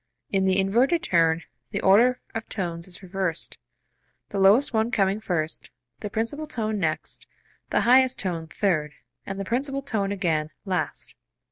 In the inverted turn the order of tones is reversed, the lowest one coming first, the principal tone next, the highest tone third, and the principal tone again, last.